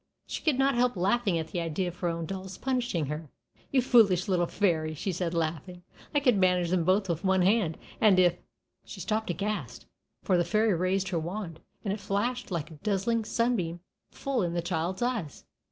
She could not help laughing at the idea of her own dolls punishing her. "You foolish little fairy!" she said, laughing; "I could manage them both with one hand; and if " She stopped aghast, for the fairy raised her wand, and it flashed like a dazzling sunbeam full in the child's eyes.